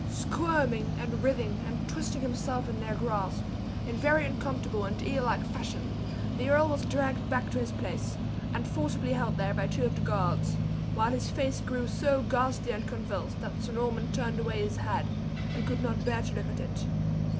Squirming, and writhing, and twisting himself in their grasp, in very uncomfortable and eel like fashion, the earl was dragged back to his place, and forcibly held there by two of the guards, while his face grew so ghastly and convulsed that Sir Norman turned away his head, and could not bear to look at it.